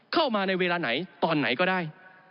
เข้ามาในเวลาไหนตอนไหนก็ได้